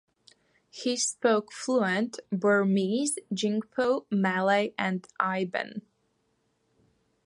He spoke fluent Burmese, Jingpo, Malay and Iban.